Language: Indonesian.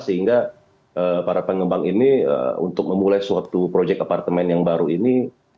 sehingga para pengembang ini untuk memulai suatu proyek apartemen yang baru ini